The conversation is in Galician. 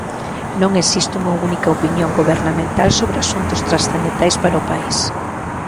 Non existe unha única opinión gobernamental sobre asuntos transcendentais para o país.